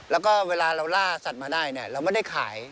แล้วก็เวลาเราล่าสัตว์มาได้เนี่ยเราไม่ได้ขาย